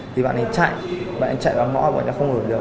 thì bạn ấy chạy bạn ấy chạy vào mõi bọn cháu không ngửi được